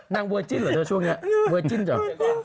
เวอร์จิ้นเหรอเธอช่วงนี้เวอร์จิ้นเหรอ